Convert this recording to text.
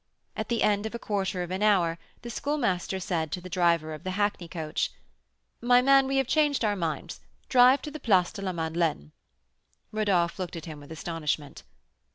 At the end of a quarter of an hour the Schoolmaster said to the driver of the hackney coach: "My man, we have changed our minds; drive to the Place de la Madelaine." Rodolph looked at him with astonishment.